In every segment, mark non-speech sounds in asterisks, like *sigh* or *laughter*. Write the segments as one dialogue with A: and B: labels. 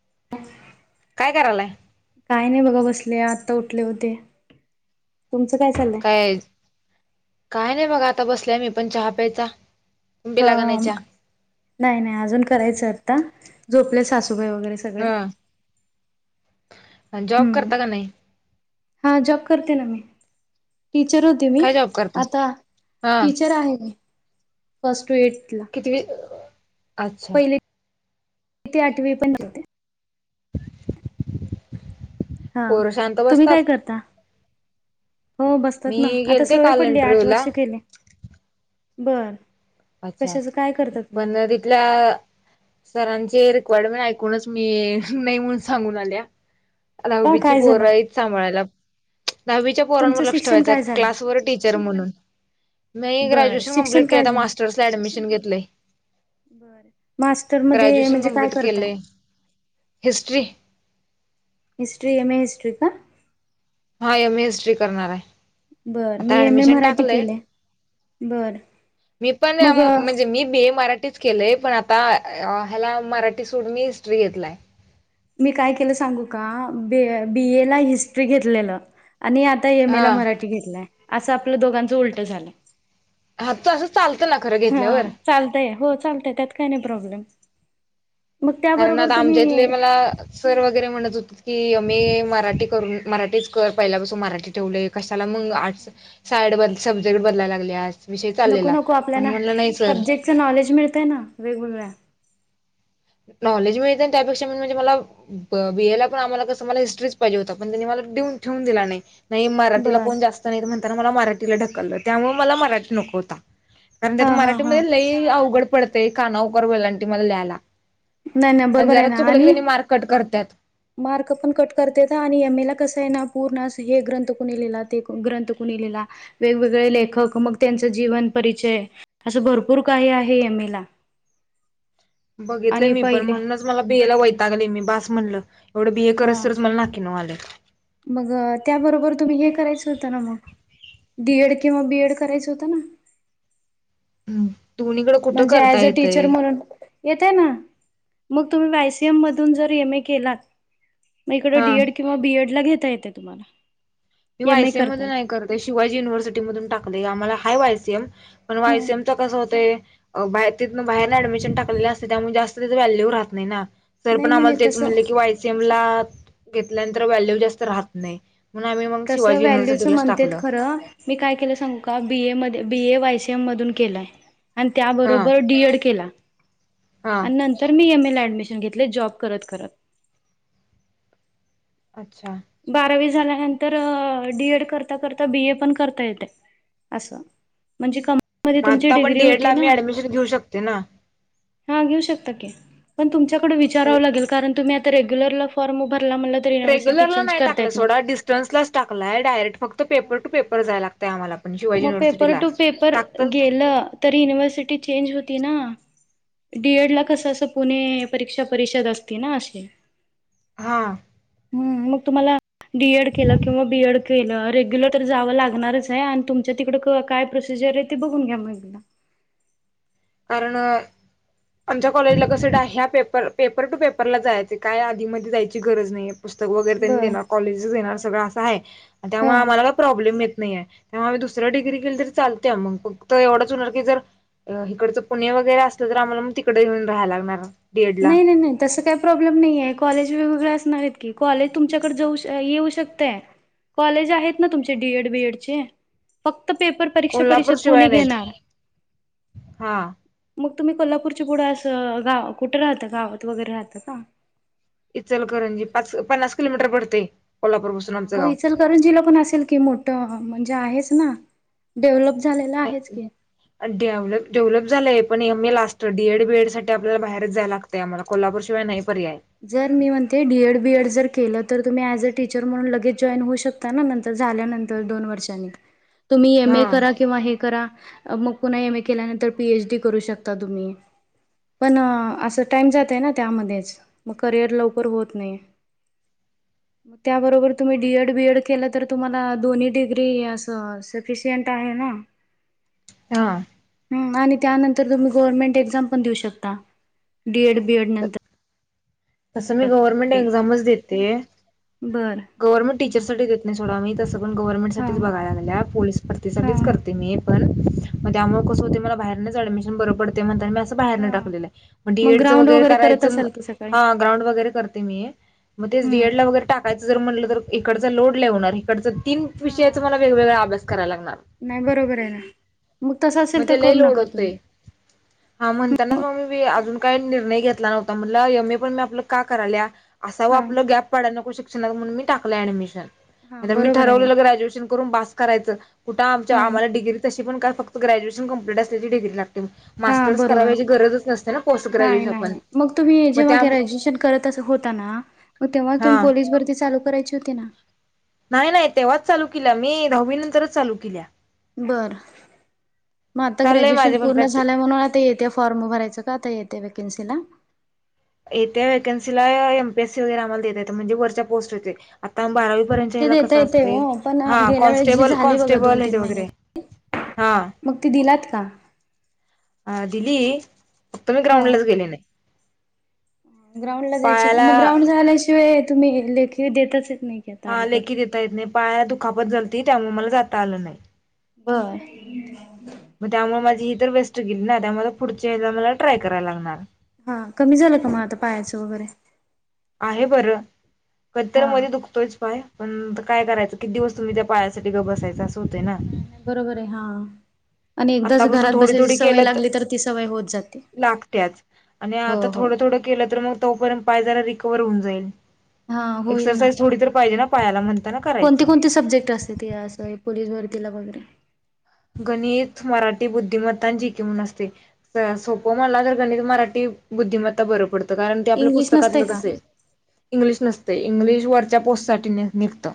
A: ् *inaudible*
B: काय करायलाय
A: काय नाही बघा बसले आता उठले होते. तुमचं काय चाललंय.
B: काय काय नाही बघ आता बसलाय मी पण चहा प्यायचा. तुम्ही
A: ह
B: पिला का नाही
A: अं नाही नाही अजून करायचं आता झोपले सासू व्हय वगैरे सगळे.
B: अ जॉब
A: हम्म
B: करता का नाही
A: हा जॉब करते ना मी. टीचर होती मी
B: काय जॉब करता?
A: आता
B: हा
A: टीचर आहे मी फस्ट टू एट. ला
B: कितवी.. अच्छा.
A: तेथे आठवे पण न्हते. हा
B: पोरं शांत
A: तुम्ही
B: बसतात?
A: काय करता. हो बसतात ना,
B: मी
A: आता
B: गेलते
A: सवय
B: काल
A: पडली आठ
B: इंटरव्ह्यू ला
A: वर्ष केले. बर.
B: अच्छा,
A: कशाच काय करता तुम्ही?
B: पण तिथल्या सरां... हे रिक्वायरमेंट ऐकूनच मी नाही म्हणून सांगून आल्या.
A: का
B: लहबीची
A: काय झालं
B: पोरईच सांभाळायला. दहावीच्या पोरांवर
A: तुमचं
B: लक्ष
A: शिक्षण
B: ठेवायच,
A: काय झालंय?
B: क्लासवर टीचर म्हणून. म
A: बरं
B: ग्रॅज्युएशन
A: शिक्षण
B: कंमप्लीट
A: काय
B: केलं
A: झालं?
B: मास्टर्स ला ऍडमिशन घेतलं.
A: बर, मास्टर मध्ये म्हणजे काय
B: कंप्लीट
A: करताय.
B: केलंय history.
A: History M A history का.
B: हाय मी हिस्ट्री करणार आहे.
A: बर
B: आता
A: मी एम ए
B: ऍडमिशन
A: मराठी
B: टाकलंय.
A: केले बर
B: मी पण अं
A: मग
B: म्हणजे मी बीए मराठी... तेच केलंय पण आता ह्याला मराठी सोडून मी हिस्ट्री घेतलाय.
A: मी काय केलं सांगू का बी -बी ए ला हिस्ट्री घेतलेलं. आणि आता यम
B: हा
A: एला मराठी घेतलाय असं आपलं दोघांचं उलट झालंय.
B: हा त असं चाल...
A: हा चालतय, हो चालतय त्यात काय नाही प्रॉब्लेम. मग
B: कारण
A: त्याबरोबर
B: आता
A: तुम्ही
B: आमच्यातले मला सर वगैरे म्हणत होत कीमे... मराठी करून मराठीच कर पहिल्यापासून मराठी ठेवलंय कशाला मग आर्ट सायड ब... सब्जेक्ट बदलायला लागलेस...
A: नको नको आपल्याला सब्जेक्टच नॉलेज मिळतय ना वेगवेगळ्या.
B: नॉलेज मिळते त्यापेक्षा मेन म्हणजे मला बीएला पण आम्हाला कसं मला हिस्ट्रीच पाहिजे होता पण त्यांनी मला... देऊन ठेवून दिला नाही. नाही मराठीला
A: बर
B: कोण जास्त नाहीतं म्हणताना मला मराठीला ढकललं त्यामुळे मला मराठी नको होता कारण त्यात
A: हा हा हा
B: मराठीमध्ये लई अवघड पडतंय काना, उकार, वेलांटी मला ल्यायला
A: नाही नाही
B: आणि
A: बरोबर आहे
B: जरा
A: ना
B: चुकलं की
A: आणि
B: त्यनी मार्क कट करत्यात
A: मार्क पण कट करतेेतं आणि एमएला कसं आहे ना पूर्ण अस हे ग्रंथ कुणी लिहिला ते कु ग्रंथ कुणी लिहिलेला वेगवेगळे लेखक मग त्यांच जीवन परिचय असं भरपूर काही आहे एमएला
B: बघितलंय मी पण म्हणूनच मला बीए ला वैतागले मी बास म्हणलं एवढं बीए
A: हा
B: करुसतरचं मला नाकीनव आलंय
A: मग त्याबरोबर तुम्ही हे करायचं होतं ना मग डीएड किंवा बीएड करायचं होतं ना
B: दोन्हीकडे कुठं
A: म्हणजे
B: करता
A: ऍज अ टीचर
B: येतंय
A: म्हणून येतंय ना मग तुम्ही वायसीएम मधून जर एमए केलात मग इकड
B: हा.
A: डीएड किंवा बीएड ला घेता येत्यात तुम्हाला
B: मी
A: एम ए
B: वायसीएम मध्ये नाही
A: करताना
B: करतेय शिवाजी युनिव्हर्सिटी मधून टाकलयं आम्हाला हाय वायसीएम पण
A: ह
B: वायसीएमच कसं होतंय अ बाहेर तिथन बाहेरनं ऍडमिशन टाकलेलं असते त्यामुळे जास्त तिथं व्हॅल्यू राहत नाही ना सर
A: नाही
B: पण
A: नाही नाही
B: आम्हाला तेच
A: तसं
B: म्हणले की वायसीएम ला घेतल्यानंतर व्हॅल्यू जास्त राहत नाही, म्हणून आम्ही मग
A: तसं
B: शिवाजी
A: व्हॅल्यूच
B: युनिव्हर्सिटीलाच
A: म्हणतेत
B: टाकलं
A: खरं मी काय केलं सांगू का बीए म बीए वायसीएम मधून केलाय आणि
B: हा
A: त्याबरोबर डीएड केला
B: हा
A: आणि नंतर मी एमए ला ऍडमिशन घेतलंय जॉब करत करत
B: अच्छा
A: बारावी झाल्यानंतर अ डीएड करता करता बीए पण करता येतंय अस म्हणजे कं मध्ये
B: मग
A: तुमची
B: आता पण
A: डिग्री
B: डीएड ला
A: होती
B: आम्ही
A: ना
B: ऍडमिशन घेऊ शकते ना
A: हा घेऊ शकता की पण तुमच्याकडे विचारावं लागेल कारण तुम्ही आता रेग्युलर ला फॉर्म भरला म्हटला तरी युनिव्हर्सिटी
B: लर ला
A: चेंज
B: नाही
A: करता
B: टाकलं
A: येत
B: सोडा डिस्टन्सलाच टाकलाय डायरेक्ट फक्त पेपर टू पेपर जाया लागतंय आम्हाला पण शिवाजी
A: मग पेपर
B: युनिव्हर्सिटीला
A: टू पेपर
B: टाकत
A: गेलं तर युनिव्हर्सिटी चेंज होती ना हा डीएड ला कसं असं पुणे परीक्षा परिषद असती ना असे
B: हा
A: हम्म मग तुम्हाला डीएड केलं किंवा बीएड केलं रेग्युलर तर जावं लागणारच आहे आणि तुमच्या तिकडं क काय प्रोसिजर आहे ती बघून घ्या मग एकदा
B: कारण आमच्या कॉलेजला कसंय ना ह्या पेपरला पेपर टू पेपरला जायचे काय आधीमधी जायची गरज नाहीये पुस्तक वगैरे त्यांनी
A: बर
B: देणार कॉलेजेचं देणार सगळं असं हाय आणि त्यामुळे
A: हा
B: आम्हाला काही प्रॉब्लेम येत नाहीेये त्यामुळं आम्ही दुसरी डिग्री केली तरी चालत्या मंग फक्त एवढंच होणार की जर अ हि तिकडचं पुणे वगैरे असलं तर आम्हाला मग तिकडे येऊन राहायला लागणार डीएड ला
A: नाही नाही नाही तस काही प्रॉब्लेम नाही आहे कॉलेज वेगवेगळे असणार आहेत की कॉलेज तुमच्याकडे जाऊ श येऊ शकतंय कॉलेज आहेत ना तुमचे डीएड बीएड चे फक् क्त पेपर परीक्षा
B: कोल्हापूर
A: परिषद
B: शिवाय
A: पुणे
B: नाहीत
A: घेणार
B: हा
A: मग तुम्ही कोल्हापूरच्या पुढं अस गाव कुठं राहता गावात वगैरे राहता का?
B: इचलकरंजी पाच पन्नास किलोमीटर पडतंय
A: मग इचलकरंजीला पण असेल की मोठं हा म्हणजे आहेच ना डेव्हलप झालेला
B: हो
A: आहेच की.
B: डेव्हलप डेव्हलप झालंय पण एमए ला स्ट डीएड बीएड साठी आपल्याला बाहेरचं जायला लागतंय आम्हाला कोल्हापूरशिवाय नाही पर्याय.
A: जर मी म्हणते डीएड बीएड जर केलंत तर तुम्ही ऍज अ टीचर म्हणून लगेच जॉईन होऊ शकता ना नंतर झाल्यानंतर दोन वर्षांनी तुम्ही
B: हा
A: एमए करा किंवा हे करा मग पुन्हा एमए केल्यानंतर पीएचडी करू शकता तुम्ही पण असं टाइम जात आहे ना त्यामध्येच मग करिअर लवकर होत नाही
B: ह
A: मग त्याबरोबर तुम्ही डीएड बीएड केलं तर तुम्हाला दोन्ही डिग्री असं सफिशियंट आहे ना
B: हा
A: ह आणि त्यानंतर तुम्ही गव्हर्नमेंट एक्झाम पण देऊ शकता डीएड बीएड नंतर
B: असं मी गव्हर्नमेंट एक्झामच देते
A: बर
B: गव्हर्नमेंट टीचर साठी देत नाही थोडा मी तसं पण
A: हा
B: गव्हर्नमेंटसाठीच बघायला गेल्या पोलीस
A: हा
B: भरतीसाठीठीच करते मी पण मग त्यामुळे कसं होते मला बाहेरचऍडमिशन बरं पडते म्हणी बाहेर
A: हा
B: टाकलेलं मग डीएड
A: ग्राउंड
B: वगैरे
A: करत
B: करायचं
A: असाल की सकाळी
B: हा ग्राउंड वगैरे करते मी मग तेच
A: हम्म
B: डीएड ला वगैरे टाकायचं जर म्हटलं तर इकडचा लोड लाेवणार इकडचं *unintelligible* तीन विषयाचं
A: हा
B: मला वेगवेगळा आभस
A: नाही बरोबर आहे ना मग तसं
B: मग
A: असेल तर
B: त्यालाही
A: करू
B: लोड
A: नका तुम्ही
B: होतय हा म्हणताना म अजून काही निर्णय घेतला नव्हता म्हण यम ए पण मी आपलं का करायल्या *unintelligible* असा व
A: हा
B: आपलं गॅप पडाला नको शिक्षणात म्हणून मी टाकला
A: हा
B: ऍडमिशन मी
A: बरोबर आहे ना
B: ठरवलेलं ग्रॅज्युएशन करून पास करायचं कुठं आमच्या
A: हा
B: आम्हाला डिग्री तशी पण काय फक्त गॅज्युशन कंप्ट असल्या डिग ला
A: हा
B: मास्टर्स
A: बरोबर
B: कराची गरजच नसते ना पोस्ट
A: नाही
B: ग्रॅज्युएश पण
A: नाही
B: म त्या
A: होग तेव्हा
B: हा
A: तम पोलीस भरती चालू करायची होती ना *unintelligible*
B: नाही नाही तेव्हाच चालू केला मी दहावी नंतरच चालू केल्या
A: बरं मग आता
B: चाललंय
A: ग्रॅज्युएशन
B: माझे पण
A: पूर्ण
B: प्रॅक्टिस
A: झाल्या म्हणून आता येते फॉर्म उभरायचं का आता येते वेकन्सीला
B: येत्या व्हॅकन्सीला एमपीएससी वगैरे आम्हाला दता येत म्हणजे वरच्या पोस्ट होते आता बारावी
A: ते
B: क
A: देता येते हो पण
B: ह
A: गेल्या वेळेस जी
B: क
A: झाली
B: कन्टेल
A: बघा दोन तीन महिने
B: वरे *unintelligible*
A: मग ते दिलात का
B: अ दिली फक्त मी
A: हा
B: ग्राउंडलाच गेली नाही
A: ग्राउंड ला जायचे
B: पायाला
A: मग ग्राउंड झाल्याशिवाय तुम्ही लेखी देतच
B: हा लेखित येता येत नाही पायाला दुखापत जलती त्यामुळे मला जाता आलं नाही *inaudible*
A: बर
B: मग त्यामुळे माझी ही तर वेस्ट गेली ना त्यामुळे पुढच्या मला ट्राय करायला लागणार
A: हा कमी झालं का मग आता पायाचं वगैरे
B: आहे बरं कतर
A: हा
B: मध्ये दुखतोयच बाय पण काय करायचं किती दिवस तुम्ही त्या पायाण्यासाठी ग बसायचं *unintelligible*
A: नाही नाही बरोबर आहे हा आणि एकदाच
B: आतापासून
A: घरात
B: थोडी
A: बसायची
B: थोडी
A: सवय
B: केलं
A: लागली तर ती सवय *unintelligible*
B: लागत्याच आणि
A: हो
B: आता
A: हो
B: थोडं थोडं केलं तर मग तोपर्यंत पायला रिकवर होऊन
A: हा
B: *unintelligible* एर थोडी तर पाजे पायाला म्हण *unintelligible*
A: कोणती कोणते सब्जेक्ट असते असं पोलीस भरतीला वगैरे
B: गणित मराठी बुद्धिमत्ता जी क म्हणून असते सोपं म्हणाला तर गणित मराठी बुद्धिमत्ता बर पडत कारण ते आपल्या
A: इंग्लिश नसते
B: पुस्तकातलंच
A: का
B: असे इंग्लिश नस इंग्लिश वरच्या पोस्ट साठी निघत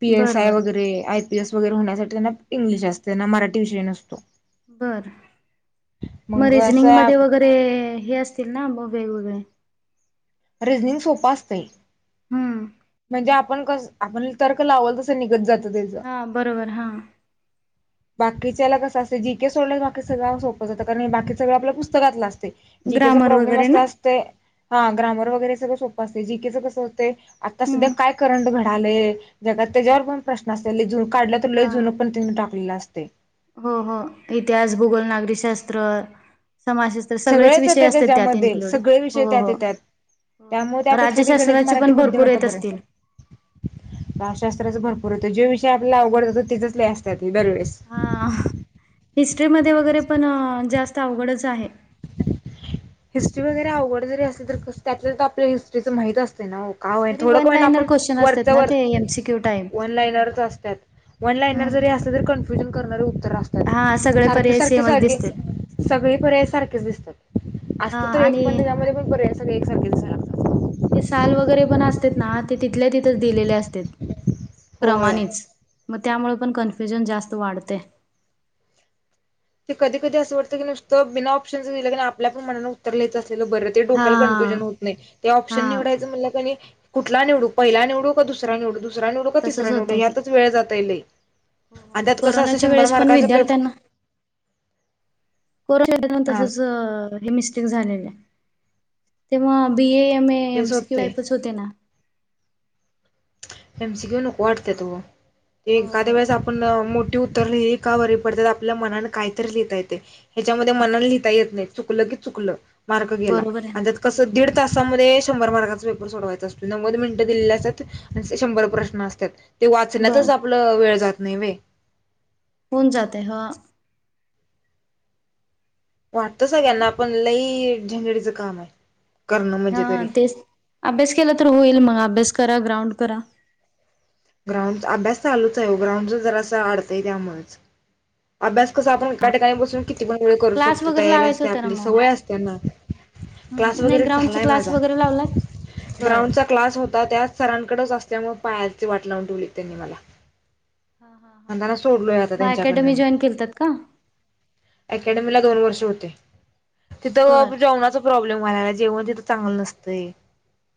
B: पीएस
A: बर
B: आय
A: बर
B: वगैरे आयपीएस वगैरे होण्यासाठी त्यां इंग्लिश असते त्यांना मराठी विषयी नसतो
A: बर मग रिजनिंग मध्ये वगैरे हे असतील ना म वेगवेगळे
B: रिझनिंग सोपं असत
A: हम्म
B: म्हणजे आप आप तर्क लावल तस निघत जात
A: हा बरोबर हा
B: बाकीच्या कं असते जी केे सोडयच बाकी सगं सोपच होत कारणी बाकी सगं आपल्या पुस्तकातलं असं े
A: ग्रामर
B: प्रॉब्लेम
A: वगैरे
B: अस
A: ना
B: असते हा ग्रामर वगरे सगळं सोपं अस जीेच कस अस *unintelligible* आता सध्या
A: हम्म.
B: काय करंट घडालेय जगात त्याच्यावर पण प्रश्न असे
A: ह हो हो इतिहास भूगोल नागरी शस्त्र
B: सगळेच येत त्याच्यामध्ये सगळे
A: हो
B: विषय त्यात
A: हो.
B: येतात त्यामुळे त्यापेक्षा ते गणित
A: राज्यशास्त्राचे
B: मराठी
A: पण भरपूर
B: बुद्धिमत्ता
A: येत
B: बर
A: असतील
B: आहे भावशास्त्राच भरपूरच तर जे विषय आपल्याला अवघड जातो तिचच नाही असतात ते दरवेेळेस
A: हा. हिस्ट्रीमध्ये वगैरे पण जास्त अवघडच आहे
B: हिस्ट्री वगैरे आवघड जरी असेल तर त्यातलं तर आपल्या हिस्ट्रीचं माहित असते ना का होय
A: तरी
B: थोडंक
A: वन
B: होई ना
A: लाईनर
B: आपण
A: क्वेश्चन असतात
B: वरच्या
A: ना
B: वर
A: ते एमसीक्यू टाईप
B: वन लाईनरच असतात वन लाईन जरी असलं तरी कन्फ्युजन करणार तात
A: हा सगळे
B: सारखे
A: पर्याय
B: सारखे
A: सेमच
B: जागे
A: दिसतात
B: सगळे बऱ्यासारखेच दिसतात
A: हा
B: असत तर एक पण
A: आणि
B: दिनामध्ये पण बऱ्या सारख्या एकसारखे दिसायला लागात
A: ते साल वगैरे पण असत ना ते तिथल्या तिथेच दिलेले असत
B: होय
A: क्रमानेच मग त्यामुळे पण कन्फ्युजन जास्त वाढते
B: ते कधी कधी असं वात की नुसतंिना ऑप्शनचसेलं आपल्याण मनाला उतर ल्यायच असं र ते
A: हा
B: डोक्याला कनफ्युजन होत नाही ते
A: हा
B: ऑप्शन निवडायचं म्ह कुठला निवडू पहिला निवडू का दुसरा निवडू दुसरा निवडू का तिसरा
A: तसच
B: निवडू
A: होतं की
B: यातच वेळ जाताईलय
A: हो हो
B: आतात कसं असं
A: कोरोनाच्या
B: शंभर
A: वेळेस पण
B: मार्काचं पेप
A: विद्यार्थ्यांना को
B: हा
A: तसच हे मिस्टेक झालेले तेव्हा बी ए म ए
B: तेच
A: एमसी की
B: होतंय
A: वाईपच होते ना
B: एमसी क्यू नको वाटत त ते
A: हो
B: काद्या
A: हो
B: वेळेस आपण मो उतरलेली का बरी पडतात आपल्या मनाला कायतरी लिहिता येते हच्यामध्ये मनान लिहिता येत नाही च क च मार
A: बरोबर आहे
B: त मध्ये शंभर मार्काचा पेपर सोडवायचा असतो नव्वद मिनिटं दिले असतात आणि शंभर प्रश्न असतात ते
A: बर
B: वाचण्यातच आपलं वेळ जात नाही व्हय.
A: होऊन जाते हा.
B: वाटत
A: हॅलो
B: सगळ्यांना आपण लही झेंगडीच काम हाय.
A: हा तेच अभ्यास केला तर होईल मग अभ्यास करा ग्राउंड करा.
B: ग्राउंड अभ्यास चालूच आहे ग्राउंड जर अस अडतय त्यामुळेच अभ्यास कसं आपण एका ठिकाणी बसून किती पण वेळ करू
A: क्लास
B: शकतो
A: वगैरे
B: तयारी
A: लावायचा
B: असते
A: होता ना
B: आपली
A: मग
B: सवय असतेना. क्लास
A: हम्म नाही
B: वगैरे
A: ग्राउंडचा
B: झालाय
A: क्लास
B: माझा.
A: वगैरे लावलात? बर.
B: ग्राउंडचा क्लास होता त्यात सरांकडच असल्यामुळे पायाची वाट लावून ठेवली त्यांनी मला.
A: हा हा हा.
B: पणताना सोडलोय आता
A: मग
B: त्यांच्याकडनं
A: अकॅडमी
B: मी.
A: जॉईन केलतात का?
B: अकॅडमीला दोन वर्ष होते.
A: बर.
B: तिथं जेवणाचा प्रॉब्लेम व्हायला लाग ला जेवण तिथं चांगलं नसतंय.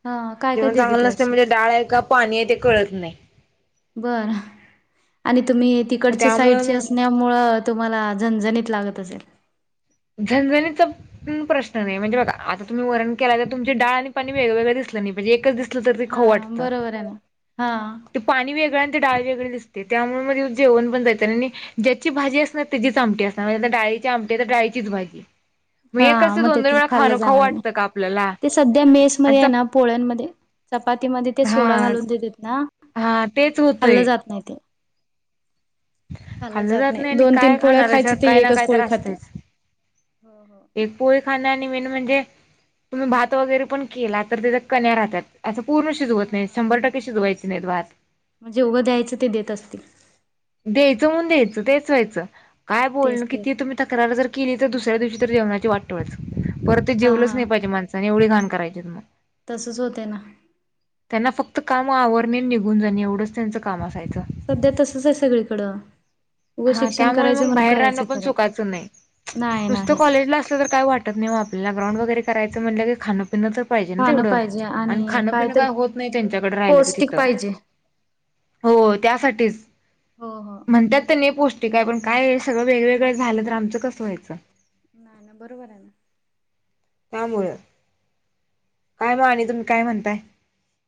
A: हा काय काय
B: जेवण
A: देत
B: चांगलं
A: होते
B: नसते
A: असे?
B: म्हणजे डाळ आहे का पाणी आहे ते कळत नाही.
A: बरं आणि तुम्ही
B: मग
A: तिकडचे
B: त्यामुळे
A: साईडचे
B: मग
A: असण्यामु तुम्हाला झणझणीत लागत असेल.
B: झनझणीचा प्रश्न नाही म्हणजे बघा आता तुम्ही वरण केला तर तुमची डाळ आणि पण वेगळा वेगळं दिसलं नाय पायजे, एकच दिसलं तर तें
A: हा
B: खाऊ वाटत.
A: बरोबर आहे ना. हा
B: डाळी वगरे दिसते त्यामुळे म जेवण पण जाय आणि ज्याची भाजी असणार त्याची आमट अस म्ह डाळी त्याची आमटी आनी डाळीचीच भाजी.
A: हा
B: हे कसं
A: मग
B: दोन दोन
A: त
B: वेळा
A: खाल्लं
B: खाणं खाऊ
A: जाणार नाही
B: वाटतं का आपल्याला
A: ते सध्या मेस
B: आणि
A: मध्ये आहे ना
B: चप
A: पोळ्यांमध्ये.. चपातीमध्ये ते
B: हा
A: सोडा घालून देतेत ना
B: हा तेच
A: खाल्लं
B: होतंय
A: जात नाही ते. खालं
B: खाल्लं
A: जात नाही
B: आणि
A: दोन तीन
B: काय
A: पोळ्या
B: खाणार
A: खायच
B: आहे
A: ते
B: काय ना
A: एकच
B: काय तर
A: पोळ खाती.
B: असतंच एक पोळी खा मेन म्हजे तुम्ही भात वैगरे पण केला तर, त्याच्या कन्या राहत्यात पूर्ण शिजवत नाही शंभर टके शिजुवायची नाही भात.
A: जे उघं द्यायचं ते देत असतील.
B: द्येयचं म्हून द्येयचं तेच व्हायचं. काय
A: तेच
B: बोलण
A: ते.
B: किती तुम्ही तक्रार जर केली तर दुसऱ्या दिवशी तर जेवणाची वाटोळच. परत ते
A: हा
B: जेवलंच
A: हा
B: नई पाहिजे माणसाने एवढी घाण करायचीत मग.
A: तसच होतय ना.
B: त् काम आवरणे निघून जाणे एवढंच त्यांचं काम असायचं.
A: सध्या तसंचाय सगळीकडं. उगं
B: हां
A: शिक्षण
B: त्यामुळे
A: करायचं
B: मग
A: म्हणून
B: बाहेर राहणं
A: करायचं
B: पण
A: खरं
B: सुखाचं नइ.
A: नाही
B: नुसतं
A: नाही.
B: कॉलेजला असलं तर काय वाटत नाईओ आपल्याला ग्राउंड वगैरे करायचं म्हंणलकी खाण पिणतर पाहिजेन
A: खाणं
B: तेवढं
A: पाहिजे
B: अन
A: आणि
B: खाणपिण
A: तर
B: काय होत नइ त्यांच्याकडे राहिलं की
A: पौष्टिक
B: तिथं.
A: पाहिजे
B: हो त्यासाठीच
A: हो हो.
B: म्हनत्यात किनइ पौष्टिकाय पण काय सगळं वेगवेगळं झालंतर आमचं कस व्हायचं?
A: नायना बरोबरायना.
B: त्यामुळ कायम आणि तुमी काय म्हणताय?